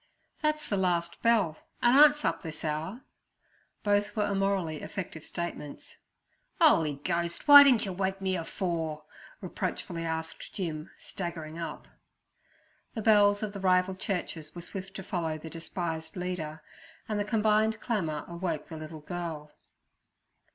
'That's the last bell; an' aunt's up this hour.' Both were immorally effective statements. "Oly Ghost! w'y didn' wake me afore?' reproachfully asked Jim, staggering up. The bells of the rival churches were swift to follow their despised leader, and the combined clamour awoke the little girl.